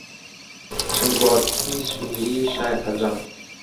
چنگۆڕکی سووری شای عەجەم...